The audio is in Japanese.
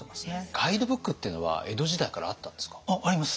ガイドブックっていうのは江戸時代からあったんですか？